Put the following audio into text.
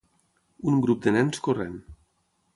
Un grup de nens corrent.